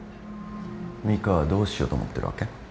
ミカはどうしようと思ってるわけ？